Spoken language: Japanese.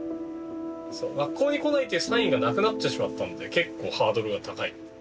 学校に来ないっていうサインがなくなってしまったんでやばい。